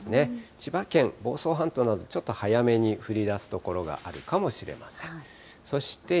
千葉県、房総半島など、ちょっと早めに降りだす所があるかもしれません。